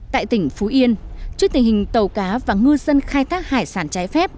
tại tỉnh phú yên trước tình hình tàu cá và ngư dân khai thác hải sản trái phép